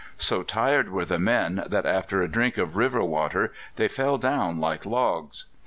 So tired were the men that, after a drink of river water, they fell down like logs.